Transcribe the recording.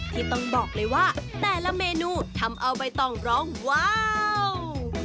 ที่ต้องบอกเลยว่าแต่ละเมนูทำเอาใบตองร้องว้าว